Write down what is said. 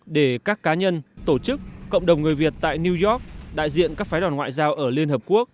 để các cá nhân tổ chức cộng đồng người việt tại new york đại diện các phái đoàn ngoại giao ở liên hợp quốc